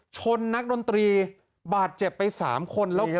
ชนนักดนตรีบาดเจ็บไปสามคนแล้วคนที่